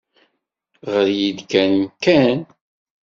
Ɣer-iyi-d kan Ken.